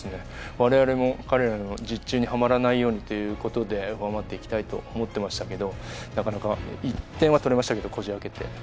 われわれも彼らの術中にはまらないようにということでがんばっていきたいと思ってましたけど、なかなか１点は取れましたけどこじあけて。